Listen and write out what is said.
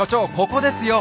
ここですよ！